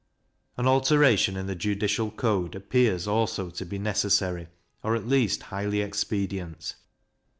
An alteration in the judicial code appears also to be necessary, or at least highly expedient.